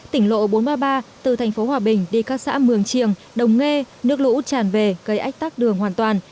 tỉnh lộ bốn trăm ba mươi ba từ thành phố hòa bình đi các xã mường triềng đồng nghê nước lũ tràn về gây ách tắc đường hoàn toàn